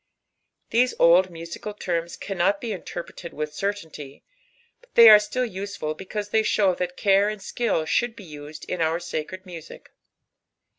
These old musical terms canrnil be inisrpr^ed wUh certainty, fyaithiyare ^lusrfid because they shou> that care and skill akiiuld be used in our sacred music.